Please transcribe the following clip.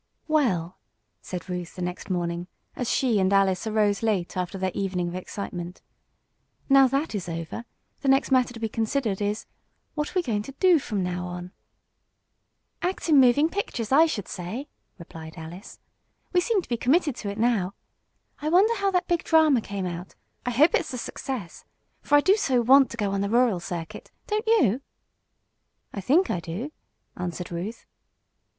"Well," said Ruth the next morning, as she and Alice arose late after their evening of excitement, "now that is over, the next matter to be considered is: What are we going to do from now on?" "Act in moving pictures, I should say," replied Alice. "We seem to be committed to it now. I wonder how that big drama came out? I hope it's a success. For I do so want to go on the rural circuit; don't you?" "I think I do," answered Ruth.